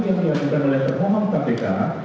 yang diaturkan oleh permohon kpk